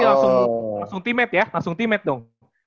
langsung team mate ya langsung team mate dong